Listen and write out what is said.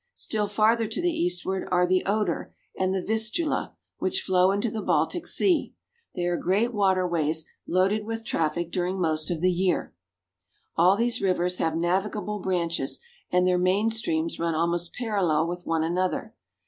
Still farther to the eastward are the Oder and the Vistula, which flow into the Baltic Sea ; they are great water ways loaded with traffic during most of the year. All these rivers have navigable branches, and their main streams run almost parallel with one another.